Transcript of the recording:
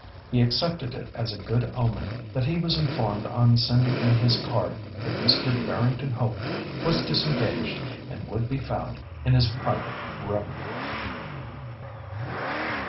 He accepted it as a good omen that he was informed on sending in his card, that Mr. Barrington Hope was disengaged, and would be found in his private room.